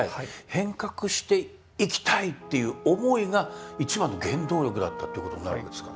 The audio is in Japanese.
変革していきたい」っていう思いが一番の原動力だったってことになるんですか？